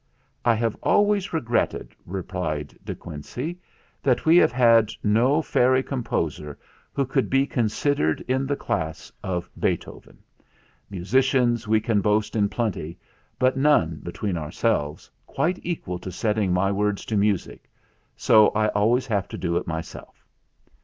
"I have always regretted," replied De Quincey, "that we have had no fairy composer who could be considered in the class of Bee thoven. Musicians we can boast in plenty, but none, between ourselves, quite equal to setting my words to music; so I always have to do it myself."